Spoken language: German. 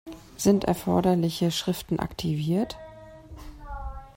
Sind erforderliche Schriften aktiviert?